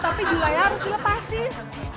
tapi julai harus dilepasin